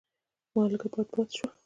مالګه باد باد شوه.